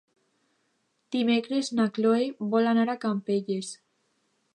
Dimecres na Cloè vol anar a Campelles.